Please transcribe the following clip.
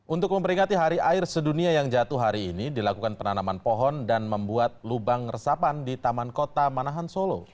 untuk memperingati hari air sedunia yang jatuh hari ini dilakukan penanaman pohon dan membuat lubang resapan di taman kota manahan solo